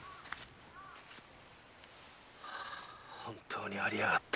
本当にありやがった。